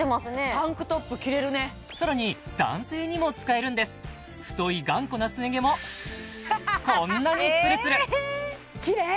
タンクトップ着れるねさらに男性にも使えるんです太い頑固なすね毛もこんなにツルツルキレイ！